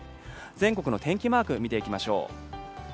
全国の天気マーク見ていきましょう。